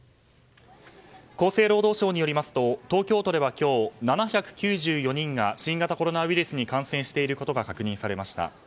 厚生労働省によりますと東京都では今日７９４人が新型コロナウイルスに感染していることが確認されました。